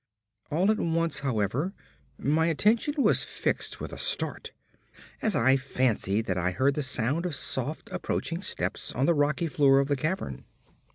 All at once, however, my attention was fixed with a start as I fancied that I heard the sound of soft approaching steps on the rocky floor of the cavern.